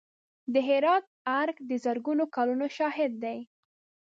د هرات ارګ د زرګونو کلونو شاهد دی.